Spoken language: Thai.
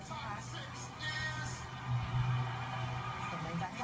ข้อมูลเข้ามาดูครับ